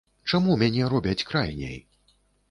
Чаму мяне робяць крайняй?